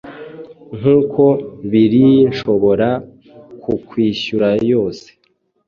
Nkuko biriinshobora kukwishyurayose